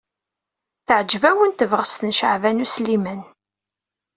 Teɛjeb-awen tebɣest n Caɛban U Sliman.